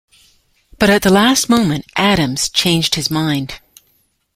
But at the last moment, Adams changed his mind.